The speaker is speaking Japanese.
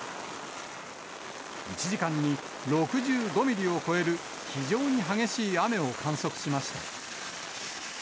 １時間に６５ミリを超える非常に激しい雨を観測しました。